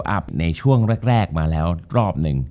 จบการโรงแรมจบการโรงแรม